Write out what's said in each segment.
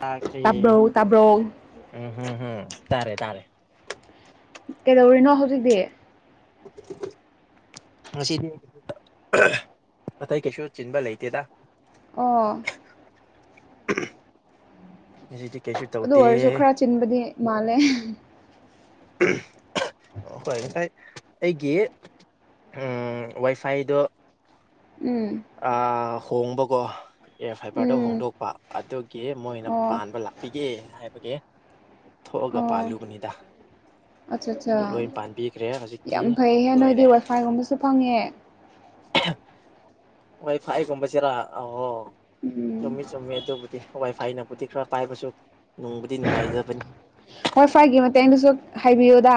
ꯈ ꯇꯥꯕ꯭ꯔꯣ ꯇꯥꯕ꯭ꯔꯣ ꯎꯝꯝꯝ ꯇꯥꯔꯦ ꯇꯥꯔꯦ ꯀꯩꯗꯧꯔꯤꯅꯣ ꯍꯧꯖꯤꯛꯇꯤ ꯉꯁꯤꯗꯤ ꯑꯇꯩ ꯀꯩꯁꯨ ꯆꯤꯟꯕ ꯂꯩꯇꯦꯗ ꯑꯣ ꯎꯝ ꯗꯤ ꯀꯦꯁꯨ ꯑꯗꯨ ꯑꯣꯏꯔꯁꯨ ꯈꯔ ꯆꯤꯟꯕꯗꯤ ꯃꯥꯜꯂꯦ ꯍꯣꯏ ꯉꯁꯥꯏ ꯑꯩꯒꯤ ꯋꯥꯏꯐꯥꯏꯗꯣ ꯎꯝ ꯑ ꯍꯣꯡꯕꯀꯣ ꯑꯦꯌꯥꯔ ꯐꯥꯏꯚꯔꯗ ꯎꯝ ꯍꯣꯡꯗꯣꯛꯄ ꯑꯗꯨꯒꯤ ꯃꯣꯏꯅ ꯑꯣ ꯄꯥꯟꯕ ꯂꯥꯛꯄꯤꯒꯦ ꯍꯥꯏꯕꯒꯤ ꯊꯣꯛꯑꯒ ꯑꯣ ꯄꯥꯜꯂꯨꯕꯅꯤꯗ ꯑꯠꯆꯥ ꯑꯠꯆꯥ ꯑꯗꯨ ꯂꯣꯏ ꯄꯥꯟꯕꯤꯈ꯭ꯔꯦ ꯍꯧꯖꯤꯛꯇꯤ ꯌꯥꯝ ꯐꯩꯍꯦ ꯂꯣꯏꯔꯦ ꯅꯣꯏꯗꯤ ꯋꯥꯏꯐꯥꯏꯒꯨꯝꯕꯁꯨ ꯐꯪꯉꯦ ꯋꯥꯏ ꯐꯥꯏ ꯀꯣꯝꯕ ꯆꯦꯔ ꯑꯣ ꯎꯝ ꯆꯨꯝꯃꯤ ꯆꯨꯝꯃꯤ ꯑꯗꯨꯕꯨꯗꯤ ꯋꯥꯏ ꯐꯥꯏꯅꯕꯨꯗꯤ ꯈꯔ ꯄꯥꯏꯕꯁꯨ ꯅꯨꯡꯕꯨꯗꯤ ꯅꯨꯡꯉꯥꯏꯖꯕꯅꯤ ꯍꯣꯏ ꯐꯔꯒꯤ ꯃꯇꯦꯡ ꯑꯩꯅꯁꯨ ꯍꯥꯏꯕꯤꯌꯨꯗ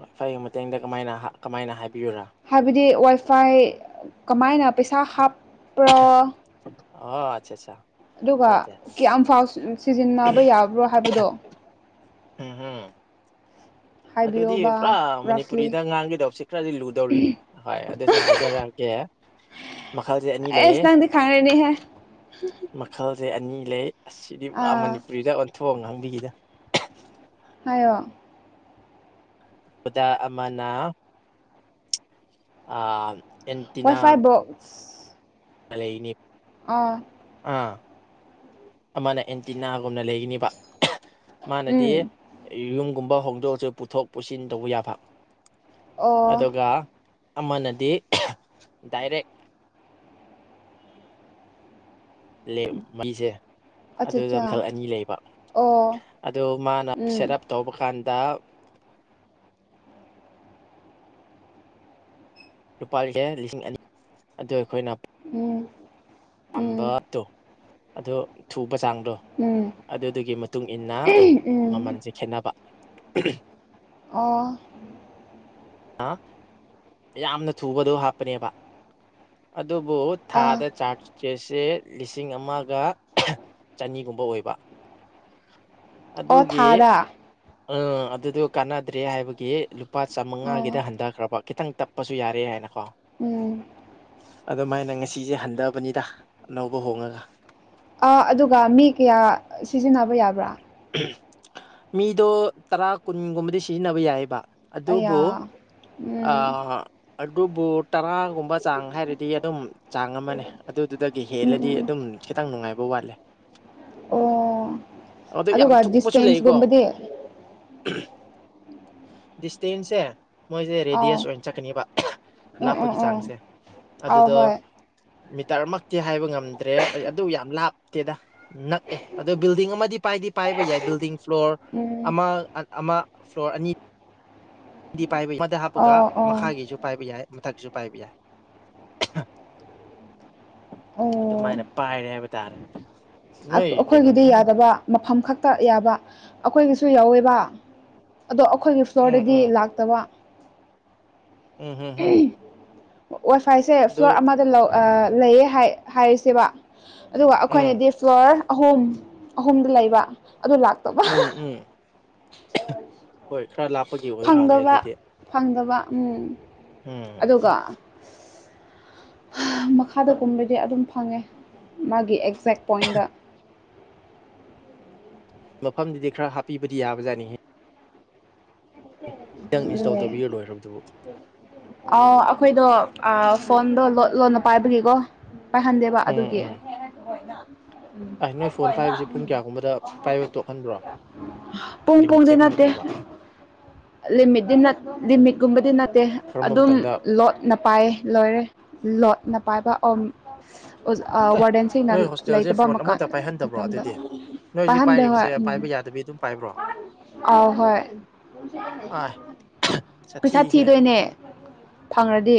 ꯍꯣꯏ ꯐꯔ ꯃꯇꯦꯡꯗ ꯀꯃꯥꯏꯅ ꯀꯃꯥꯏꯅ ꯍꯥꯏꯕꯤꯌꯨꯔꯥ ꯍꯥꯏꯕꯗꯤ ꯋꯥꯏꯐꯥꯏ ꯀꯃꯥꯏꯅ ꯄꯩꯁꯥ ꯍꯥꯞꯄ꯭ꯔꯣ ꯑꯣ ꯑꯆꯥ ꯑꯆꯥ ꯑꯗꯨꯒ ꯀꯌꯥꯝꯐꯥꯎ ꯁꯤꯖꯤꯟꯅꯕ ꯌꯥꯕ꯭ꯔꯣ ꯍꯥꯏꯕꯗꯣ ꯍꯝ ꯍꯝ ꯑꯗꯨꯗꯤ ꯍꯥꯏꯕꯤꯌꯣꯕ ꯄꯨꯔꯥ ꯔꯐꯂꯤ ꯃꯅꯤꯄꯨꯔꯤꯗ ꯉꯥꯡꯒꯗꯁ ꯈꯔꯗꯤ ꯂꯨꯗꯧꯔꯤꯅꯦ ꯍꯣꯏ ꯑꯗꯨꯁꯨ ꯍꯥꯏꯗꯔꯛꯀꯦ ꯃꯈꯜꯁꯦ ꯑꯅꯤ ꯑꯦꯁ ꯂꯩꯌꯦ ꯅꯪꯗꯤ [inaudible] ꯃꯈꯜꯁꯦ ꯑꯅꯤ ꯂꯩ ꯑꯁꯤꯗꯤ ꯄꯨꯔꯥ ꯑꯥ ꯃꯅꯤꯄꯨꯔꯤꯗ ꯑꯣꯟꯊꯣꯛꯑ ꯉꯥꯡꯕꯤꯒꯦ ꯍꯥꯏꯌꯣ ꯑꯗꯨꯗ ꯑꯃꯅ ꯑ ꯑꯦꯟꯇꯤꯅꯥ ꯇ ꯑꯂ ꯏꯅꯤ ꯑꯥ ꯑꯥ ꯑꯃꯅ ꯑꯦꯟꯇꯤꯅꯥꯒꯨꯝꯅ ꯂꯩꯒꯅꯤꯕ ꯃꯥꯅꯗꯤ ꯎꯝ ꯌꯨꯝꯒꯨꯝꯕ ꯍꯣꯡꯗꯣꯛꯑꯁꯨ ꯄꯨꯊꯣꯛ ꯄꯨꯁꯤꯟ ꯇꯧꯕ ꯌꯥꯕ ꯑꯣ ꯑꯗꯨꯒ ꯑꯃꯅꯗꯤ ꯗꯥꯏꯔꯦꯛ ꯂꯦ ꯃꯩꯁꯦ ꯑꯆꯥ ꯑꯗꯨꯗ ꯃꯈꯜ ꯑꯆꯥ ꯑꯅꯤ ꯂꯩꯕ ꯑꯣ ꯑꯗꯨ ꯃꯥꯅ ꯁꯦꯠ ꯎꯝ ꯑꯞ ꯇꯧꯕ ꯀꯥꯟꯗ ꯂꯨꯄꯥ ꯂꯤꯁꯦ ꯂꯤꯁꯤꯡ ꯑꯅꯤ ꯑꯗꯨ ꯑꯩꯈꯣꯏꯅ ꯎꯝ ꯎꯝ ꯄꯥꯝꯕꯗꯣ ꯑꯗꯣ ꯊꯨꯕ ꯆꯥꯡꯗꯣ ꯎꯝ ꯑꯗꯨꯗꯨꯒꯤ ꯃꯇꯨꯡ ꯏꯟꯅ ꯎꯝ ꯃꯃꯜꯁꯦ ꯈꯦꯠꯅꯕ ꯑꯣ ꯌꯥꯝꯅ ꯊꯨꯕꯗꯣ ꯍꯥꯞꯄꯅꯦꯕ ꯑꯗꯨꯕꯨ ꯑꯥ ꯊꯥꯗ ꯆꯥꯔꯖ ꯆꯦꯁꯦ ꯂꯤꯁꯤꯡ ꯑꯃꯒ ꯆꯅꯤꯒꯨꯝꯕ ꯑꯣꯏꯕ ꯑꯗꯨꯒꯤ ꯑꯣꯊꯥꯗ ꯑꯥ ꯑꯗꯨꯗꯣ ꯀꯥꯟꯅꯗ꯭ꯔꯦ ꯍꯥꯏꯕꯒꯤ ꯂꯨꯄꯥ ꯆꯃꯉꯥꯒꯤꯗ ꯑꯣ ꯍꯟꯊꯈ꯭ꯔꯕ ꯈꯤꯇꯪ ꯇꯞꯄꯁꯨ ꯌꯥꯔꯦ ꯍꯥꯏꯅꯀꯣ ꯎꯝ ꯑꯗꯨꯃꯥꯏꯅ ꯉꯁꯤꯁꯦ ꯍꯟꯗꯕꯅꯤꯗ ꯑꯅꯧꯕ ꯍꯣꯡꯉꯒ ꯑꯗꯨꯒ ꯃꯤ ꯀꯌꯥ ꯁꯤꯖꯤꯟꯅꯕ ꯌꯥꯕ꯭ꯔꯥ ꯃꯤꯗꯣ ꯇꯔꯥ ꯀꯨꯟꯒꯨꯝꯕꯗꯤ ꯁꯤꯖꯤꯟꯅꯕ ꯌꯥꯏꯑꯕ ꯑꯗꯨꯕꯨ ꯑꯌꯥ ꯑ ꯎꯝ ꯑꯗꯨꯕꯨ ꯇꯔꯥꯒꯨꯝꯕ ꯆꯥꯡ ꯍꯥꯏꯔꯗꯤ ꯑꯗꯨꯝ ꯆꯥꯡ ꯑꯃꯅꯦ ꯑꯗꯨꯗꯨꯗꯒꯤ ꯎꯝ ꯍꯦꯜꯂꯗꯤ ꯎꯝ ꯑꯗꯨꯝ ꯈꯤꯇꯪ ꯅꯨꯡꯉꯥꯏꯕ ꯋꯥꯠꯂꯦ ꯑꯣ ꯑꯗꯨ ꯌꯥꯝ ꯑꯗꯨꯒꯥ ꯊꯨꯕꯁꯨ ꯗꯤꯁꯇꯦꯟꯁ ꯂꯩꯀꯣ ꯒꯨꯝꯝꯕꯗꯤ ꯗꯤꯁꯇꯤꯟꯁꯦ ꯃꯣꯏꯁꯦ ꯑꯥꯎ ꯔꯦꯗꯤꯌꯦꯁ ꯑꯣꯏꯅ ꯆꯠꯀꯅꯤꯕ ꯎꯝ ꯎꯝ ꯂꯥꯞꯄꯒꯤ ꯎꯝ ꯆꯥꯡꯁꯦ ꯑꯥꯎ ꯑꯗꯨꯗꯣ ꯍꯣꯏ ꯃꯤꯇꯔ ꯃꯛꯇꯤ ꯍꯥꯏꯕ ꯉꯝꯗ꯭ꯔꯦ ꯑꯗꯨ ꯌꯥꯝ ꯂꯥꯞꯇꯦꯗ ꯅꯛꯑꯦ ꯑꯗꯨꯗꯣ ꯕꯤꯜꯗꯤꯡ ꯑꯃꯗꯤ ꯄꯥꯏꯗꯤ ꯄꯥꯏꯕ ꯌꯥꯏ ꯕꯤꯜꯗꯤꯡ ꯐ꯭ꯂꯣꯔ ꯎꯝ ꯑꯃ ꯑꯃ ꯐ꯭ꯂꯣꯔ ꯑꯅꯤ ꯄꯥꯏꯕ ꯌꯥꯏ ꯍꯥꯞꯄꯒ ꯑꯣ ꯑꯣ ꯃꯈꯥꯒꯤꯁꯨ ꯄꯥꯏꯕ ꯌꯥꯏ ꯃꯊꯛꯁꯨ ꯄꯥꯏꯕ ꯌꯥꯏ ꯑꯣ ꯑꯗꯨꯃꯥꯏꯅ ꯄꯥꯏꯔꯦ ꯍꯥꯏꯕ ꯇꯥꯔꯦ ꯅꯣꯏ ꯑꯩꯈꯣꯏꯒꯤꯗꯤ ꯀꯩꯅꯣꯅꯦ ꯌꯥꯗꯕ ꯃꯐꯝ ꯈꯛꯇ ꯌꯥꯕ ꯑꯩꯈꯣꯏꯒꯤꯁꯨ ꯌꯥꯎꯋꯦꯕ ꯑꯗꯣ ꯑꯩꯈꯣꯏꯒꯤ ꯎꯝ ꯐꯂꯣꯔꯗꯗꯤ ꯎꯝ ꯂꯥꯛꯇꯕ ꯎꯝ ꯍꯝ ꯍꯝ ꯋꯥꯏ ꯐꯥꯏꯁꯦ ꯐ꯭ꯂꯣꯔ ꯑꯃꯗ ꯂꯧ ꯂꯩꯌꯦ ꯍꯥꯏꯔꯁꯦꯕ ꯑꯗꯨꯒ ꯎꯝ ꯑꯩꯈꯣꯏꯅꯗꯤ ꯐ꯭ꯂꯣꯔ ꯑꯍꯨꯝ ꯑꯍꯨꯝꯗ ꯂꯩꯕ ꯑꯗꯨ ꯂꯥꯛ ꯎꯝ ꯎꯝ ꯍꯣꯏ ꯈꯔ ꯂꯥꯞ ꯐꯪꯗꯕ ꯐꯪꯗꯕ ꯎꯝ ꯎꯝ ꯑꯗꯨꯒ ꯃꯈꯥꯗꯒꯨꯝꯕꯗꯤ ꯑꯗꯨꯝ ꯐꯪꯉꯦ ꯃꯥꯒꯤ ꯑꯦꯛꯖꯦꯛ ꯄꯣꯏꯟ ꯃꯐꯝꯗꯨꯗꯤ ꯈꯔ ꯍꯥꯞꯄꯤꯕꯗꯤ ꯌꯥꯕꯖꯥꯅꯤꯍꯦ ꯈꯤꯇꯪ ꯏꯟꯁꯇꯣꯜ ꯇꯧꯕꯤꯔ ꯂꯣꯏꯈ꯭ꯔꯕꯗꯨꯕꯨ ꯑ ꯑꯩꯈꯣꯏꯗꯣ ꯐꯣꯟꯗꯣ ꯂꯣ ꯂꯣꯟꯅ ꯄꯥꯏꯕꯒꯤꯀꯣ ꯄꯥꯏꯍꯟꯗꯦꯕ ꯎꯝ ꯑꯗꯨꯒꯤ ꯎꯝ ꯑ ꯅꯣꯏ ꯐꯣꯟ ꯄꯥꯏꯕꯁꯦ ꯄꯨꯡ ꯀꯌꯥꯒꯨꯝꯕꯗ ꯄꯥꯏꯕ ꯇꯣꯛꯍꯟꯕ꯭ꯔꯣ ꯄꯨꯡ ꯂꯤꯃꯤꯠꯁꯦ ꯄꯨꯡꯗꯤ ꯀꯃꯥꯏꯅ ꯅꯠꯇꯦ ꯇꯧꯕ ꯂꯤꯃꯤꯠꯗꯤ ꯅꯠ ꯂꯤꯃꯤꯠꯀꯨꯝꯕꯗꯤ ꯅꯠꯇꯦ ꯀꯔꯝꯕ ꯑꯗꯨꯝ ꯃꯇꯝꯗ ꯂꯣꯠꯅ ꯄꯥꯏꯌꯦ ꯂꯣꯏꯔꯦ ꯂꯣꯠꯅ ꯄꯥꯏꯕ ꯑꯣꯝ ꯑꯦ ꯋꯥꯔꯗꯦꯟꯁꯤꯅ ꯅꯣꯏ ꯍꯣꯁꯇꯦꯜꯁꯦ ꯂꯩꯇꯕ ꯐꯣꯟ ꯃꯀꯥꯟ ꯑꯃꯇ ꯄꯥꯏꯍꯟꯗꯕ꯭ꯔꯣ ꯃꯇꯝꯗ ꯑꯗꯨꯗꯤ ꯅꯣꯏ ꯍꯧꯖꯤꯛ ꯄꯥꯏꯍꯟꯗꯦ ꯄꯥꯏꯔꯤꯕꯁꯦ ꯄꯥꯏꯕ ꯌꯥꯗꯕꯤ ꯑꯗꯨꯝ ꯄꯥꯏꯕ꯭ꯔꯣ ꯑ ꯍꯣꯏ ꯑꯥꯏ ꯄꯩꯁꯥ ꯁꯥꯊꯤꯍꯦ ꯊꯤꯗꯣꯏꯅꯦ ꯐꯪꯉꯗꯤ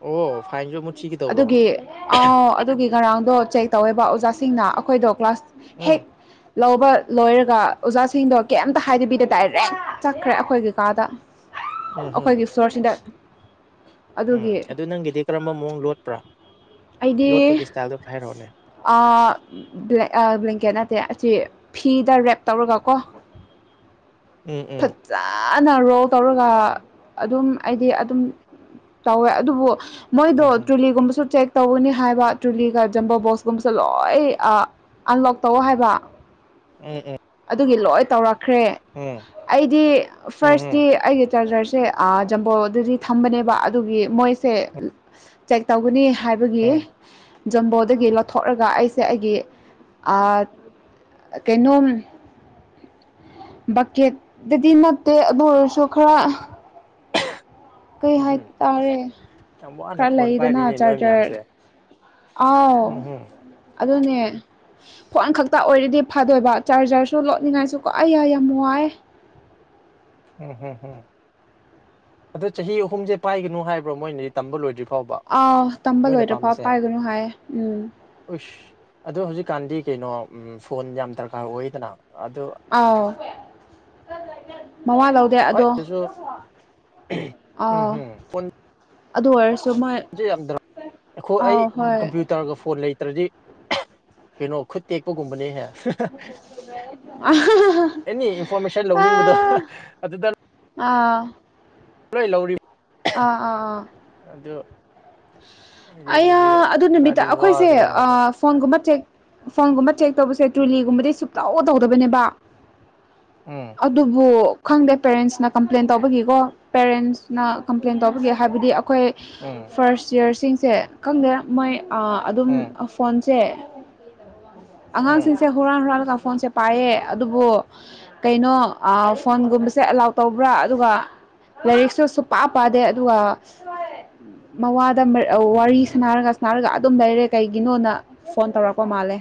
ꯑꯣ ꯐꯥꯏꯟ ꯖꯨ [unintelligible] ꯑꯗꯨꯒꯤ ꯑꯥꯎ ꯑꯗꯨꯒꯤ ꯉꯔꯥꯡꯗꯣ ꯆꯦꯛ ꯇꯧꯋꯦꯕ ꯑꯣꯖꯥꯁꯤꯡꯅ ꯑꯩꯈꯣꯏꯗꯣ ꯀ꯭ꯂꯥꯁ ꯎꯝ ꯍꯦꯛ ꯂꯧꯕ ꯂꯣꯏꯔꯒ ꯑꯣꯖꯥꯁꯤꯡꯗꯣ ꯀꯦꯝꯇ ꯍꯥꯏꯗꯕꯤꯗ ꯗꯥꯏꯔꯦꯛ ꯆꯠꯈ꯭ꯔꯦ ꯑꯩꯈꯣꯏꯒꯤ ꯀꯥꯗ ꯎꯝ [unintelligible] ꯍꯝ ꯑꯩꯈꯣꯏꯒꯤ ꯁꯣꯔ ꯁꯤꯟꯗꯥ ꯎꯝ ꯑꯗꯨ ꯅꯪꯒꯤꯗꯤ ꯀꯔꯝꯕ ꯃꯑꯣꯡ ꯂꯣꯠꯄ꯭ꯔꯥ ꯑꯩꯗꯤ ꯂꯣꯠꯄꯒꯤ ꯏꯁꯇꯥꯏꯜꯗꯣ ꯈꯔ ꯍꯥꯏꯔꯛꯑꯣꯅꯦ ꯑꯥ ꯕ꯭ꯂꯦ ꯑꯥ ꯕ꯭ꯂꯦꯡꯀꯦꯠ ꯅꯠꯇꯦ ꯑꯁꯤ ꯐꯤꯗ ꯔꯦꯞ ꯇꯧꯔꯒ ꯀꯣ ꯎꯝ ꯐꯛ ꯎꯝ ꯆꯥꯅ ꯔꯣꯜ ꯇꯧꯔꯒ ꯑꯗꯨꯝ ꯑꯩꯗꯤ ꯑꯗꯨꯝ ꯇꯧꯋꯦ ꯑꯗꯨꯕꯨ ꯃꯣꯏꯗꯣ ꯎꯝ ꯎꯝ ꯇꯨꯂꯤꯒꯨꯝꯕꯁꯨ ꯆꯦꯛ ꯇꯧꯒꯅꯤ ꯍꯥꯏꯕ ꯇ꯭ꯔꯨꯂꯤꯒ ꯖꯝꯕꯣ ꯕꯣꯛꯁꯀꯨꯝꯕꯁꯦ ꯂꯣꯏ ꯑꯥ ꯑꯟꯂꯣꯛ ꯇꯧꯑꯣ ꯍꯥꯏꯕ ꯑꯦ ꯑꯦ ꯑꯗꯨꯒꯤ ꯂꯣꯏ ꯇꯧꯔꯛꯈ꯭ꯔꯦ ꯎꯝ ꯑꯩꯗꯤ ꯐꯥꯔꯁꯇꯤ ꯎꯝ ꯑꯩꯒꯤ ꯆꯥꯔꯖꯔꯁꯦ ꯑꯥ ꯖꯝꯕꯣꯗꯗꯤ ꯊꯝꯕꯅꯦꯕ ꯑꯗꯨꯒꯤ ꯃꯣꯏ ꯁꯦ ꯆꯦꯛ ꯇꯧꯒꯅꯤ ꯍꯥꯏꯕꯒꯤ ꯎꯝ ꯖꯝꯕꯣꯗꯒꯤ ꯂꯧꯊꯣꯛꯂꯒ ꯑꯩꯁꯦ ꯑꯩꯒꯤ ꯑꯥ ꯀꯩꯅꯣꯝ ꯕꯛꯀꯦꯠꯇꯗꯤ ꯅꯠꯇꯦ ꯑꯗꯨ ꯑꯣꯏꯔꯁꯨ ꯈꯔ ꯀꯩ ꯎꯝꯍꯨꯝ ꯑꯁ ꯍꯥꯏꯇꯥꯔꯦ ꯌꯥꯝ ꯋꯥꯅ ꯈꯔ ꯐꯣꯟ ꯂꯩꯗꯅ ꯄꯥꯏꯔꯤꯅꯦ ꯅꯣꯏ ꯆꯥꯔꯖꯔ ꯃꯌꯥꯝꯁꯦ ꯑꯥꯎ ꯎꯝꯍꯨꯝ ꯑꯗꯨꯅꯦ ꯐꯣꯟ ꯈꯛꯇ ꯑꯣꯏꯔꯗꯤ ꯐꯗꯣꯏꯕ ꯆꯥꯔꯖꯔꯁꯨ ꯂꯣꯠꯅꯤꯡꯉꯥꯏꯁꯨ ꯀꯣ ꯑꯩ ꯌꯥꯏ ꯌꯥꯝ ꯋꯥꯏ ꯎꯝ ꯍꯝ ꯎꯝ ꯑꯗꯣ ꯆꯍꯤ ꯑꯍꯨꯝꯁꯦ ꯄꯥꯏꯒꯅꯨ ꯍꯥꯏꯕ꯭ꯔꯣ ꯃꯣꯏꯅꯗꯤ ꯇꯝꯕ ꯂꯣꯏꯗ꯭ꯔꯤ ꯐꯥꯎꯕ ꯑꯥꯎ ꯇꯝꯕ ꯃꯣꯏꯅ ꯂꯣꯏꯗ꯭ꯔꯤ ꯐꯥꯎ ꯄꯥꯏꯒꯅꯨ ꯍꯥꯏꯌꯦ ꯎꯝ ꯎꯁ ꯑꯗꯣ ꯍꯧꯖꯤꯛꯀꯥꯟꯗꯤ ꯀꯩꯅꯣ ꯐꯣꯟ ꯌꯥꯝ ꯗꯔꯀꯥꯔ ꯑꯣꯏꯌꯦꯗꯅ ꯑꯗꯣ ꯑꯥꯎ ꯃꯋꯥ ꯂꯧ [unintelligible] ꯑꯥꯎ ꯎꯝꯍꯝ ꯐꯣꯟ ꯑꯗꯨ ꯑꯣꯏꯔꯁꯨ ꯃꯣꯏ [unintelligible] ꯑꯩꯈꯣꯏ ꯑꯩ ꯑꯥꯎ ꯍꯣꯏ [unintelligible] [unintelligible] ꯐꯣꯟ ꯂꯩꯇ꯭ꯔꯗꯤ [unintelligible] ꯀꯩꯅꯣ ꯈꯨꯠ ꯇꯦꯛꯄꯒꯨꯝꯕꯅꯦꯍꯦ [unintelligible] ꯑꯥ [unintelligible] ꯑꯦꯅꯤ ꯏꯟꯐꯣꯔꯃꯦꯁꯟ ꯑꯥ ꯂꯧꯅꯤꯡꯕꯗ [unintelligible] ꯑꯗꯨꯗ ꯑꯥ [unintelligible] ꯑꯥ ꯑꯥ ꯑꯥ ꯑꯗꯣ ꯑꯌꯥ ꯑꯗꯨ ꯅꯨꯃꯤꯠꯇ ꯈꯔꯗꯤ ꯑꯩꯈꯣꯏꯁꯦ ꯋꯥꯒꯗꯧ ꯃꯥꯜꯂꯦ ꯑꯥ ꯐꯣꯟꯒꯨꯝꯕ ꯆꯦꯛ ꯐꯣꯟꯒꯨꯝꯕ ꯆꯦꯛ ꯇꯧꯕꯁꯦ ꯇ꯭ꯔꯨꯂꯤꯒꯨꯝꯕꯗꯤ ꯁꯨꯡꯇꯧ ꯇꯧꯗꯕꯅꯦꯕ ꯎꯝ ꯑꯗꯨꯕꯨ ꯈꯪꯗꯦ ꯄꯦꯔꯦꯟꯁꯅ ꯀꯝꯄ꯭ꯂꯦꯟ ꯇꯧꯕꯒꯤꯀꯣ ꯄꯦꯔꯦꯟꯁꯅ ꯀꯝꯄ꯭ꯂꯦꯟ ꯇꯧꯕꯒꯤ ꯍꯥꯏꯕꯗꯤ ꯑꯩꯈꯣꯏ ꯎꯝ ꯐꯥꯔꯁ ꯏꯌꯥꯔꯁꯤꯡꯁꯦ ꯈꯪꯗꯦ ꯃꯣꯏ ꯑꯥ ꯑꯗꯨꯝ ꯎꯝ ꯐꯣꯟꯁꯦ ꯎꯝ ꯑꯉꯥꯡꯁꯤꯡꯁꯦ ꯍꯨꯔꯥꯟ ꯍꯨꯔꯥꯜꯂꯒ ꯐꯣꯟꯁꯦ ꯄꯥꯏꯌꯦ ꯑꯗꯨꯕꯨ ꯀꯩꯅꯣ ꯐꯣꯟꯒꯨꯝꯕꯁꯦ ꯑꯦꯂꯥꯎ ꯇꯧꯕ꯭ꯔꯥ ꯑꯗꯨꯒ ꯂꯥꯏꯔꯤꯛꯁꯨ ꯁꯨꯡꯄꯥ ꯄꯥꯗꯦ ꯑꯗꯨꯒ ꯃꯋꯥꯗ ꯋꯥꯔꯤ ꯁꯅꯔꯒ ꯁꯅꯥꯔꯒ ꯑꯗꯨꯝ ꯂꯩꯔꯦ ꯀꯩꯒꯤꯅꯣꯅ ꯐꯣꯟ ꯇꯧꯔꯛꯄ ꯃꯥꯂꯦ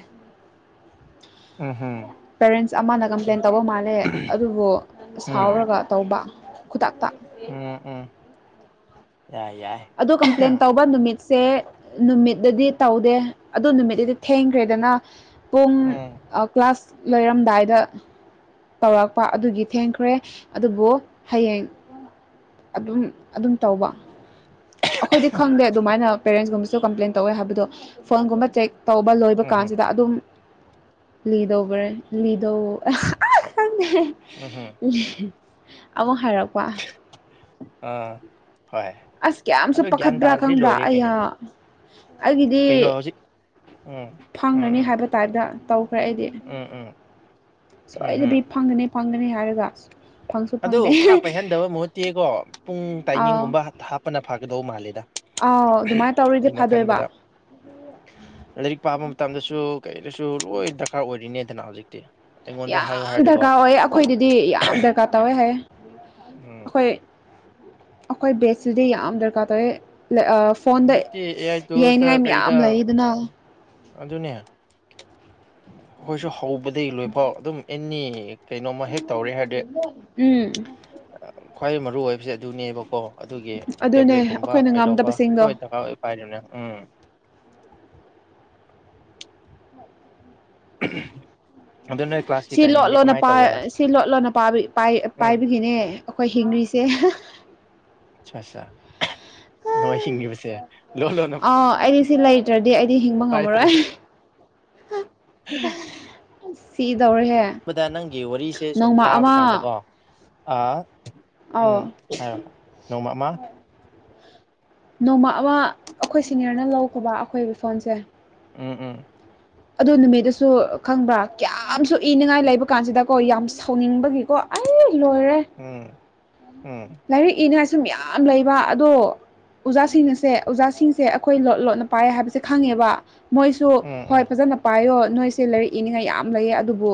ꯎꯍꯝ ꯄꯦꯔꯦꯟꯁ ꯑꯃꯅ ꯀꯝꯄ꯭ꯂꯦꯟ ꯇꯧꯕ ꯃꯥꯜꯂꯦ ꯑꯗꯨꯕꯨ ꯎꯝ ꯁꯥꯎꯔꯒ ꯇꯧꯕ ꯈꯨꯗꯥꯛꯇ ꯎꯝ ꯎꯝ ꯌꯥꯏ ꯌꯥꯏ ꯑꯗꯨ ꯀꯝꯄ꯭ꯂꯦꯟ ꯇꯧꯕ ꯅꯨꯃꯤꯠꯁꯦ ꯁꯦ ꯅꯨꯃꯤꯠꯇꯗꯤ ꯇꯧꯗꯦ ꯑꯗꯨ ꯅꯨꯃꯤꯠꯇꯠꯇꯗꯤ ꯊꯦꯡꯈ꯭ꯔꯦꯗꯅ ꯄꯨꯡ ꯑꯣꯥ ꯀ꯭ꯂꯥꯁ ꯂꯣꯏꯔꯝꯗꯥꯏꯗ ꯇꯧꯔꯛꯄ ꯑꯗꯨꯒꯤ ꯊꯦꯡꯈ꯭ꯔꯦ ꯑꯗꯨꯕꯨ ꯍꯌꯦꯡ ꯑꯗꯨꯝ ꯑꯗꯨꯝ ꯇꯧꯕ ꯑꯩꯈꯣꯏꯗꯤ ꯈꯪꯗꯦ ꯑꯗꯨꯃꯥꯏꯅ ꯄꯦꯔꯦꯟꯁꯀꯨꯝꯕꯁꯨ ꯀꯝꯄ꯭ꯂꯦꯟ ꯇꯧꯋꯦ ꯍꯥꯏꯕꯗꯣ ꯐꯣꯟꯒꯨꯝꯕ ꯆꯦꯛ ꯇꯧꯕ ꯂꯣꯏꯕ ꯎꯝꯍꯨꯝ ꯀꯥꯟꯁꯤꯗ ꯑꯗꯨꯝ ꯂꯗꯧꯔ ꯂꯗꯣ ꯎꯝꯍꯨꯝ ꯑꯃꯨꯛ ꯍꯥꯏꯔꯛꯄ ꯑꯥ ꯍꯣꯏ ꯑꯁ ꯀꯌꯥꯝꯁꯨ ꯑꯗꯨ ꯒ꯭ꯌꯥꯟ ꯄꯥꯈꯠꯄ꯭ꯔꯥ ꯇꯥꯔꯗꯤ ꯈꯪꯕ꯭ꯔꯥ ꯂꯣꯏꯔꯦ ꯑꯩꯌꯥ ꯀꯩꯅꯣ ꯀꯩꯅꯣ ꯍꯧꯖꯤꯛ ꯎꯝ ꯎꯝ ꯐꯪꯒꯅꯤ ꯎꯝ ꯍꯥꯏꯕ ꯇꯥꯏꯞꯇ ꯇꯧꯈ꯭ꯔꯦ ꯑꯩꯗꯤ ꯎꯝ ꯎꯝ ꯎꯝꯍꯨꯝ ꯁꯣꯏꯗꯕꯤ ꯐꯪꯒꯅꯤ ꯐꯪꯒꯅꯤ ꯍꯥꯏꯔꯒ ꯐꯪꯁꯨ ꯑꯗꯨ ꯐꯪꯗꯦ ꯄꯨꯔꯥ ꯄꯥꯏꯍꯟꯗꯕ ꯃꯍꯨꯠꯇꯦꯀꯣ ꯄꯨꯡ ꯑꯥꯎ ꯇꯥꯏꯃꯤꯡꯒꯨꯝꯕ ꯍꯥꯞꯄꯅ ꯐꯒꯗꯧ ꯃꯥꯜꯂꯦꯗ ꯑꯥꯎ ꯑꯗꯨꯃꯥꯏꯅ ꯇꯧꯔꯤꯗꯤ ꯑꯩꯅ ꯐꯥꯗꯣꯏꯕ ꯈꯟꯕꯗ ꯂꯥꯏꯔꯤꯛ ꯄꯥꯕ ꯃꯇꯝꯗꯁꯨ ꯀꯩꯗꯁꯨ ꯂꯣꯏ ꯗꯔꯀꯥꯔ ꯑꯣꯏꯔꯤꯅꯦꯗꯅ ꯍꯧꯖꯤꯛꯇꯤ ꯑꯩꯉꯣꯟꯗ ꯍꯥꯏꯌꯨ ꯌꯥꯝ ꯍꯥꯏꯔꯗꯤꯀꯣ ꯗꯔꯀꯥꯔ ꯑꯣꯏ ꯑꯩꯈꯣꯏꯗꯗꯤ ꯌꯥꯝ ꯗꯔꯀꯥꯔ ꯇꯧꯋꯦ ꯍꯥꯏ ꯎꯝ ꯑꯩꯈꯣꯏ ꯑꯩꯈꯣꯏ ꯕꯦꯠꯁꯤꯗꯤ ꯌꯥꯝ ꯗꯔꯀꯥꯔ ꯇꯧꯋꯦ ꯐꯣꯟꯗ ꯍꯧꯖꯤꯛꯇꯤ ꯑꯦ ꯑꯥꯏ ꯇꯨꯜꯁꯇ ꯌꯥꯏꯅꯤꯡꯉꯥꯏ ꯃꯌꯥꯝ ꯀꯩꯗ ꯂꯩꯗꯅ ꯑꯗꯨꯅꯦ ꯑꯩꯈꯣꯏꯁꯨ ꯍꯧꯕꯗꯒꯤꯩ ꯂꯣꯏꯐꯥꯎ ꯑꯗꯨꯝ ꯑꯦꯅꯤ ꯀꯩꯅꯣꯝꯃ ꯍꯦꯛ ꯇꯧꯔꯦ ꯍꯥꯏꯔꯗꯤ ꯎꯝ ꯈ꯭ꯋꯥꯏ ꯃꯔꯨ ꯑꯣꯏꯕꯁꯦ ꯑꯗꯨꯅꯦꯕꯀꯣ ꯑꯗꯨꯒꯤ ꯑꯗꯨꯅꯦ ꯇꯦꯕ꯭ꯂꯦꯠꯀꯨꯝꯕ ꯑꯩꯈꯣꯏꯅ ꯀꯩꯗꯧꯕ ꯉꯝꯗꯕꯁꯤꯡꯗꯣ ꯂꯣꯏ ꯗꯔꯀꯥꯔ ꯑꯣꯏ ꯄꯥꯏꯔꯤꯕꯅꯦ ꯎꯝ ꯎ ꯑꯗꯨꯅ ꯀ꯭ꯂ ꯁꯤ ꯂꯣꯠꯂꯣꯅ ꯁꯤ ꯂꯣꯠꯂꯣꯅ ꯎꯝ ꯄꯥꯏꯕꯒꯤꯅꯦ ꯑꯩꯈꯣꯏ ꯍꯤꯡꯔꯤꯁꯦ ꯑ ꯑꯠ ꯅꯣꯡ ꯍꯤꯡꯉꯤꯕꯁꯦ ꯂꯣꯟ ꯂꯣꯟꯅ ꯑ ꯑꯩꯗꯤ ꯁꯤ ꯂ ꯗ꯭ꯔꯗꯤ ꯑꯩꯗꯤ ꯍꯤꯡꯕ ꯉꯝꯃꯔꯣꯏ ꯄꯥꯏꯗ꯭ꯔꯗꯤꯕꯗ ꯁꯤꯗꯧꯔꯦꯍꯦ ꯗ ꯅꯪꯒꯤ ꯋꯥꯔꯤꯁꯦ ꯁꯨꯝ ꯅꯣꯡꯃ ꯇꯥꯕ ꯑꯃ ꯀꯥꯟꯗꯀꯣ ꯑꯧ ꯎꯝ ꯍꯥꯏ ꯅꯣꯡꯃ ꯃꯥ ꯅꯣꯡꯃ ꯑꯃ ꯑꯩꯈꯣꯏ ꯁꯤꯅꯤꯌꯔꯅ ꯂꯧꯕ ꯑꯩꯈꯣꯏꯒꯤ ꯐꯣꯟꯁꯦ ꯎꯝ ꯎꯝ ꯑꯗꯨ ꯅꯨꯃꯤꯠꯇꯁꯨ ꯈꯪꯕ꯭ꯔꯥ ꯀꯌꯥꯝꯁꯨ ꯏꯅꯤꯡꯉꯥꯏ ꯂꯩꯕ ꯀꯥꯟꯁꯤꯗꯀꯣ ꯌꯥꯝ ꯁꯥꯎꯅꯤꯡꯕꯒꯤꯀꯣ ꯑꯩ ꯂꯣꯏꯔꯦ ꯎꯝ ꯎꯝ ꯂꯥꯏꯔꯤꯛ ꯏꯅ ꯁꯨꯝ ꯌꯥꯝ ꯂꯩꯕ ꯑꯗꯣ ꯑꯣꯖꯥꯁꯤꯡꯅꯁꯦ ꯑꯣꯖꯥꯁꯤꯡꯁꯦ ꯑꯩꯈꯣꯏ ꯂꯣꯠ ꯂꯣꯠꯅ ꯄꯥꯏꯌꯦ ꯍꯥꯏꯕꯁꯦ ꯈꯪꯉꯦꯕ ꯃꯣꯏꯁꯨ ꯍꯣꯏ ꯎꯝ ꯐꯖꯅ ꯄꯥꯏꯌꯣ ꯅꯣꯏꯁꯦ ꯂꯥꯏꯔꯤꯛ ꯏꯅꯤꯡꯉꯥꯏ ꯌꯥꯝ ꯂꯩꯌꯦ ꯑꯗꯨꯕꯨ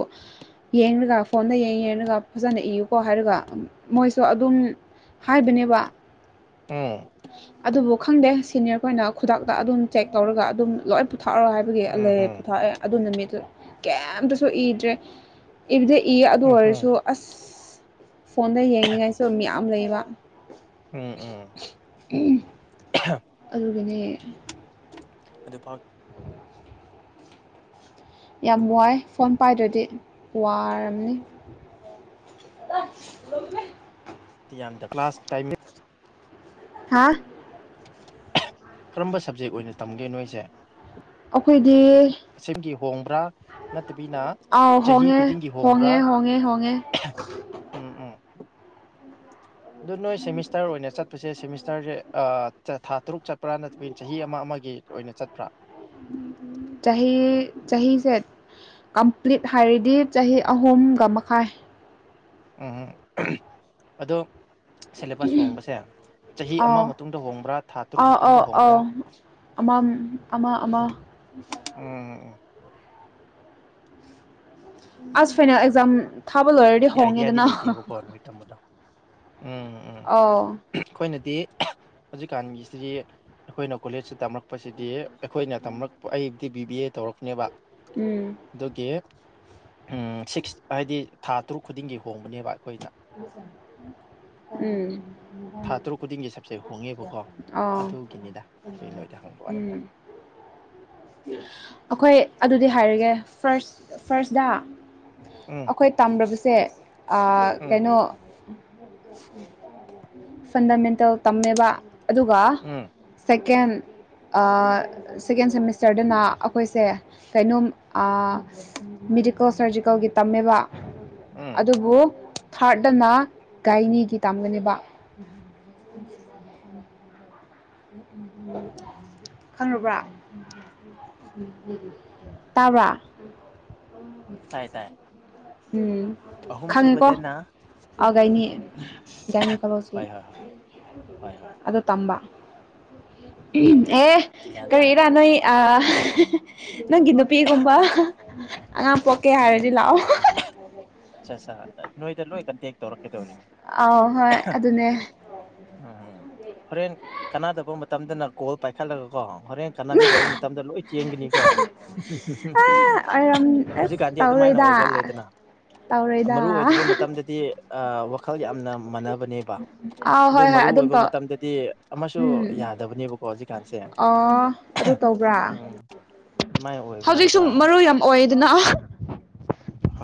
ꯌꯦꯡꯒ ꯐꯣꯟꯗ ꯌꯦꯡ ꯌꯦꯡꯉꯒ ꯐꯖꯅ ꯏꯌꯨꯀꯣ ꯍꯥꯏꯔꯒ ꯃꯣꯏꯁꯨ ꯑꯗꯨꯝ ꯍꯥꯏꯕꯅꯦꯕ ꯑꯝ ꯑꯗꯨꯕꯨ ꯈꯪꯗꯦ ꯁꯤꯅꯤꯌꯔ ꯈꯣꯏꯅ ꯈꯨꯗꯥꯛꯇ ꯑꯗꯨꯝ ꯆꯦꯛ ꯇꯧꯔꯒ ꯑꯗꯨꯝ ꯂꯣꯏ ꯄꯨꯊꯥꯔꯛꯑꯣ ꯍꯥꯏꯕ ꯑꯗꯨꯒꯤ ꯎꯝ ꯎꯝ ꯂꯩ ꯎꯝ ꯄꯣꯊꯥꯛꯑꯦ ꯑꯗꯨ ꯅꯨꯃꯤꯠꯇꯨ ꯀꯩꯝꯇꯁꯨ ꯏꯗ꯭ꯔꯦ ꯏꯕꯗ ꯏ ꯑꯗꯨ ꯎꯝ ꯎꯝ ꯑꯣꯏꯔꯁꯨ ꯑꯁ ꯐꯣꯟꯗ ꯌꯦꯡꯅꯤꯡꯉꯥꯏꯁꯨ ꯃꯌꯥꯝ ꯂꯩꯕ ꯎ ꯎ ꯎ ꯑꯗꯨꯅꯦ [unintelligible] ꯌꯥꯝ ꯋꯥꯏ ꯐꯣꯟ ꯄꯥꯏꯗ꯭ꯔꯗꯤ ꯋꯥꯔꯝꯅꯤ [unintelligible] ꯌꯥꯝꯗ ꯀ꯭ꯂꯥꯁ ꯇꯥꯏꯃꯤꯡ ꯍꯥꯥ ꯀꯔꯝꯕ ꯁꯕꯖꯦꯛ ꯑꯣꯏꯅ ꯇꯝꯒꯦ ꯅꯣꯏꯁꯦ ꯑꯩꯈꯣꯏꯗꯤ ꯁꯤꯝꯒꯤ ꯍꯣꯡꯕ꯭ꯔꯥ ꯅꯠꯇꯕꯤꯅ ꯑꯥꯎ ꯆꯍꯤ ꯍꯣꯡꯉꯦ ꯈꯨꯗꯤꯡꯒꯤ ꯍꯣꯡꯕ꯭ꯔꯥ ꯍꯣꯡꯉꯦ ꯍꯣꯡꯉꯦ ꯍꯣꯡꯉꯦ ꯎꯝ ꯎꯝ ꯑꯗꯨ ꯅꯣꯏ ꯁꯦꯃꯤꯁꯇꯔ ꯑꯣꯏꯅ ꯆꯠꯄꯁꯤ ꯁꯦ ꯁꯦꯃꯤꯁꯇꯔꯁꯦ ꯊꯥ ꯇꯔꯨꯛ ꯆꯠꯄ꯭ꯔꯥ ꯅꯠꯇ꯭ꯔꯕꯤ ꯆꯍꯤ ꯑꯃ ꯑꯃꯒꯤ ꯑꯣꯏꯅ ꯆꯠꯄ꯭ꯔꯥ ꯆꯍꯤ ꯆꯍꯤꯁꯦ ꯀꯝꯄ꯭ꯂꯤꯠ ꯍꯥꯏꯔꯗꯤ ꯆꯍꯤ ꯑꯍꯨꯝꯒ ꯃꯈꯥꯏ ꯎꯝ ꯑꯣ ꯁꯦꯂꯦꯕꯁ ꯍꯣꯡꯕꯁꯦ ꯆꯍꯤ ꯑꯃ ꯑꯥꯎ ꯃꯇꯨꯡꯗ ꯍꯣꯡꯕ꯭ꯔꯥ ꯊꯥ ꯇꯔꯨꯛ ꯃꯇꯨꯡꯗ ꯍꯣꯡꯕ꯭ꯔꯥ ꯑꯃꯝ ꯑꯃ ꯑꯃ ꯎꯝ ꯎꯝ ꯑꯣꯝ ꯑꯁ ꯐꯥꯏꯅꯜ ꯑꯦꯛꯖꯥ ꯊꯥ ꯂ ꯑꯣꯏꯔꯦꯗꯤ ꯑꯥꯏꯗꯤꯌꯥꯗꯤ ꯂꯩꯇꯦꯕꯀꯣ ꯅꯣꯏ ꯇꯝꯕꯗꯣ ꯎꯝ ꯎꯝ ꯎꯝ ꯑꯧ ꯑꯩꯈꯣꯏꯅꯗꯤ ꯍꯧꯖꯤꯛꯀꯥꯟꯒꯤꯁꯤꯗꯤ ꯑꯩꯈꯣꯏꯅ ꯀꯣꯂꯦꯖꯁꯤ ꯇꯝꯔꯛꯄꯁꯤꯗꯤ ꯑꯩꯈꯣꯏꯅ ꯇꯝꯔꯛꯄ ꯑꯩꯕꯨꯗꯤ ꯕꯤ ꯕꯤ ꯑꯦ ꯇꯧꯔꯛꯅꯦꯕ ꯎꯝ ꯑꯗꯨꯒꯤ ꯁꯤꯛꯁ ꯍꯥꯏꯗꯤ ꯊꯥ ꯇꯔꯨꯛ ꯈꯨꯗꯤꯡꯒꯤ ꯍꯣꯡꯕꯅꯦꯕ ꯑꯩꯈꯣꯏꯅ [inaudible] ꯊꯥ ꯇꯔꯨꯛ ꯈꯨꯗꯤꯡꯒꯤ ꯁꯕꯖꯦꯛ ꯍꯣꯡꯉꯦꯕꯀꯣ ꯑꯥ ꯑꯗꯨꯒꯤꯅꯤꯗ ꯇ ꯅꯣꯏꯗ ꯍꯪꯕꯑꯅꯤꯗ [inaudible] ꯑꯩꯈꯣꯏ ꯑꯗꯨꯗꯤ ꯍꯥꯏꯔꯒꯦ ꯐꯥꯔꯁ ꯐꯥꯔꯁꯇ ꯎꯝ ꯑꯩꯈꯣꯏ ꯇꯝꯕꯁꯦ ꯎꯝ ꯀꯩꯅꯣ ꯐꯟꯗꯥꯃꯦꯟꯇꯦꯜ ꯇꯝꯃꯦꯕ ꯑꯗꯨꯒ ꯎꯝ ꯁꯦꯀꯦꯟ ꯁꯦꯀꯦꯟ ꯁꯦꯃꯤꯁꯇꯔꯗꯅ ꯑꯩꯈꯣꯏꯁꯦ ꯀꯩꯅꯣꯝ ꯃꯦꯗꯤꯀꯦꯜ ꯁꯔꯖꯤꯀꯦꯜꯒꯤ ꯇꯝꯃꯦꯕ ꯎꯝ ꯑꯗꯨꯕꯨ ꯊꯥꯔꯗꯅ ꯒꯥꯏꯅꯤꯒꯤ ꯇꯝꯒꯅꯦꯕ [unintelligible] ꯈꯪꯔꯕ꯭ꯔꯥ꯫ ꯇꯥꯕꯔ ꯇꯥꯏ ꯇꯥꯏ꯫ ꯎꯝ꯫ ꯑꯍꯨꯝ ꯈꯪꯉꯦꯀꯣ ꯁꯨꯕꯗꯅ ꯑ ꯒꯥꯏꯅꯤ ꯒꯥꯏꯅꯤ ꯈꯜꯂꯣꯁꯤ꯫ ꯍꯣꯏ ꯍꯣꯏ ꯍꯣꯏ ꯍꯣꯏ ꯍꯣꯏ ꯑꯗ ꯇꯝꯕ ꯆꯦ ꯑꯦ ꯒ꯭ꯌꯥꯟ ꯇꯥꯔꯦ ꯀꯔꯤꯔ ꯅꯣꯏ꯫ ꯑ ꯅꯪꯒꯤ ꯅꯨꯄꯤꯒꯨꯝꯕ ꯑꯉꯥꯡ ꯄꯣꯛꯀꯦ ꯍꯥꯏꯔꯗꯤ ꯂꯥꯛꯑꯣ꯫ [unintelligible] ꯑ ꯑꯠꯆꯥ ꯅꯣꯏꯗ ꯂꯣꯏ ꯀꯟꯇꯦꯛ ꯇꯧꯔꯛꯀꯦꯗꯧꯔꯤꯅꯤ ꯑꯥꯎ ꯍꯣꯏ ꯑꯗꯨꯅꯦ ꯎꯝ ꯎꯝ ꯍꯣꯔꯦꯟ ꯀꯅꯥꯗꯕ ꯃꯇꯝꯗꯅ ꯀꯣꯜ ꯄꯥꯏꯈꯠꯂꯒꯀꯣ ꯍꯣꯔꯦꯟ ꯀꯅꯒꯦ ꯇꯧꯕ ꯃꯇꯝꯗ ꯂꯣꯏ ꯆꯦꯟꯒꯅꯤꯀꯣ ꯑ ꯑꯣꯏꯔꯝ ꯑꯁ ꯍꯧꯖꯤꯛꯀꯥꯟꯗꯤ ꯑꯗꯨꯃꯥꯏꯅ ꯇꯧꯔꯣꯏꯗ ꯑꯣꯏꯒꯜꯂꯦꯗꯅ ꯇꯧꯔꯣꯏꯗ ꯃꯔꯨꯑꯣ ꯑꯣꯏꯗꯕ ꯃꯇꯝꯗꯗꯤ ꯋꯥꯈꯜ ꯌꯥꯝꯅ ꯃꯥꯟꯅꯕꯅꯦꯕ ꯑꯥꯎ ꯑꯗꯨ ꯍꯣꯏ ꯍꯣꯏ ꯃꯔꯨꯑꯣ ꯑꯗꯨꯝ ꯑꯣꯏꯕ ꯇꯧ ꯃꯇꯝꯗꯗꯤ ꯑꯃꯁꯨ ꯎꯝ ꯌꯥꯗꯕꯅꯦꯕꯀꯣ ꯍꯧꯖꯤꯛꯀꯥꯟꯁꯦ ꯑꯣ ꯑꯗꯨ ꯇꯧꯕ꯭ꯔꯥ [inaudible] ꯍꯧꯖꯤꯛꯁꯨ ꯃꯔꯨ ꯌꯥꯝ ꯑꯣꯏꯌꯦꯗꯅ꯫ ꯍ